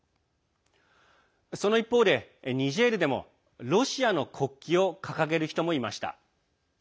その一方で、ニジェールでもロシアの国旗を掲げる人もいました。